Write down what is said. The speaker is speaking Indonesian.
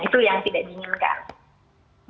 itu yang tidak diinginkan